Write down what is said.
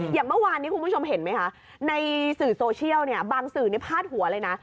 อย่างเมื่อวานนี้คุณผู้ชมเห็นไหมคะในสื่อโซเชียลเนี่ยบางสื่อพาดหัวเลยนะ